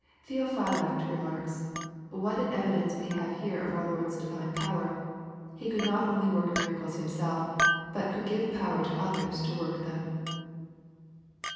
] Theophylact remarks, what an evidence we have here of our Lord's divine power. He could not only work miracles Himael^ but could give pDwer to others to work them.